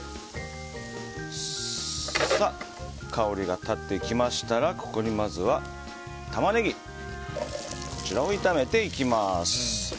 香りが立ってきましたらここにまずはタマネギを炒めていきます。